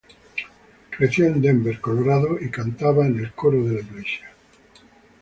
Creció en Denver, Colorado, y cantaba en el coro de la iglesia.